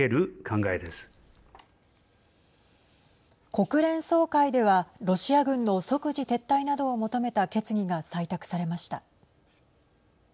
国連総会ではロシア軍の即時撤退などを求めた決議が採択されました。